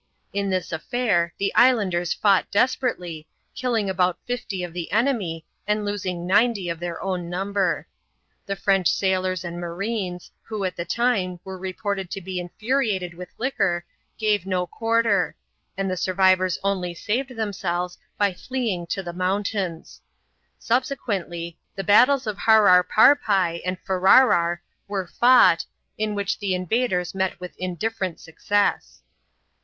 In this affair, tbe kbrndere loaght dei^erately, killing about fiftj of tbe eneoay, md ioong niaetj of their own numba*. The French saHors imL mariBM^ who, at jthe time, were reported to be infuriated wish liquor, gare no quarter; and the survivors only saved tiiemgeives by fleeing to the mountains* Subsequently, the iittttles of Hararparpi and Fararar were fought, in which the ifivadMB net with indifferent socoess.